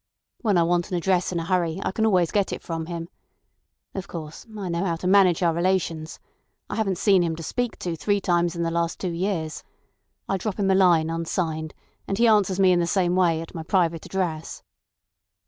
When I want an address in a hurry, I can always get it from him. Of course, I know how to manage our relations. I haven't seen him to speak to three times in the last two years. I drop him a line, unsigned, and he answers me in the same way at my private address."